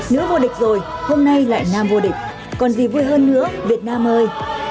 nữ vô địch rồi hôm nay lại nam vô địch còn gì vui hơn nữa việt nam ơi